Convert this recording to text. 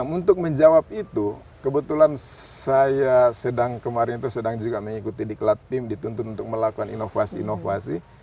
untuk menjawab itu kebetulan saya kemarin atau sedang juga mengikuti diklat tim dituntun untuk melakukan inovasi inovasi